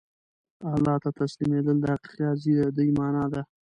الله ته تسلیمېدل د حقیقي ازادۍ مانا ده.